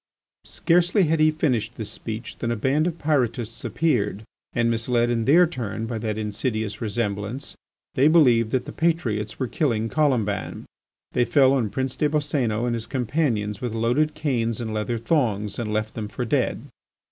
Scarcely had he finished this speech than a band of Pyrotists appeared, and misled in their turn by that insidious resemblance, they believed that the patriots were killing Colomban. They fell on Prince des Boscénos and his companions with loaded canes and leather thongs, and left them for dead.